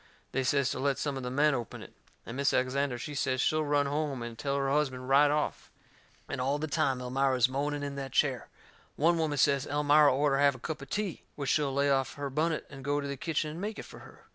They says to let some of the men open it. And Mis' Alexander, she says she'll run home and tell her husband right off. And all the time Elmira is moaning in that chair. One woman says Elmira orter have a cup o' tea, which she'll lay off her bunnet and go to the kitchen and make it fur her.